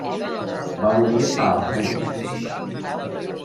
Va morir a Hamburg.